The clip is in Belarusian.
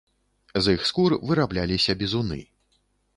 З іх скур вырабляліся бізуны.